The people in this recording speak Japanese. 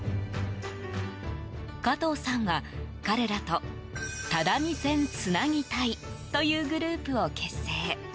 加藤さんは彼らと只見線つなぎ隊というグループを結成。